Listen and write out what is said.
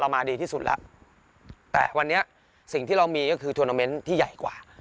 มาดีที่สุดแล้วแต่วันนี้สิ่งที่เรามีก็คือทวนาเมนต์ที่ใหญ่กว่า